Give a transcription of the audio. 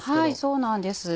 そうなんです。